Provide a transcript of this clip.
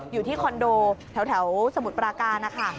อยู่ที่คอนโดแถวสมุทรปราการนะคะ